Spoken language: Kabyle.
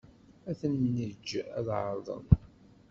Ad ten-neǧǧ ad ɛerḍen.